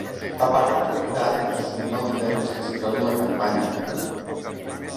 A part del candidat, és sovint el líder més visible d'una campanya.